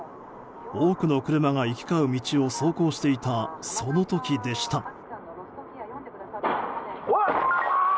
多くの車が行き交う道を走行していたその時でした。